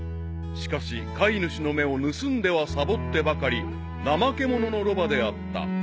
［しかし飼い主の目を盗んではサボってばかり怠け者のロバであった］